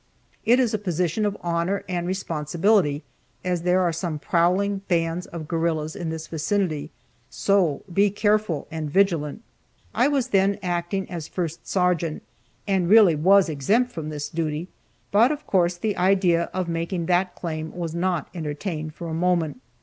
It is a position of honor and responsibility, as there are some prowling bands of guerrillas in this vicinity, so be careful and vigilant." I was then acting as first sergeant, and really was exempt from this duty, but of course the idea of making that claim was not entertained for a moment.